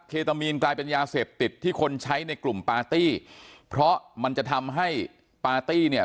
ตามีนกลายเป็นยาเสพติดที่คนใช้ในกลุ่มปาร์ตี้เพราะมันจะทำให้ปาร์ตี้เนี่ย